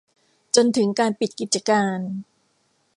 จนถึงการปิดกิจการ